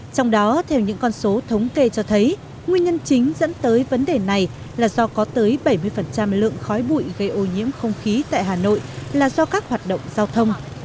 trong đó theo những con số thống kê cho thấy nguyên nhân chính dẫn tới vấn đề này là do có tới bảy mươi lượng khói bụi gây ô nhiễm không khí tại hà nội là do các hoạt động giao thông